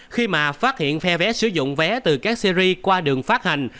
khi mà phát hiện phe vé sử dụng vé từ các series qua đường phát hành